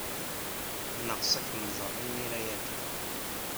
Neɣs ad kem-nẓer imir-a ya kan.